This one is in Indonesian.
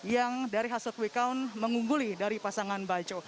yang dari hasil quick count mengungguli dari pasangan bajo